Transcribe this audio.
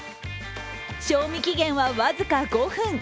賞味期限は僅か５分。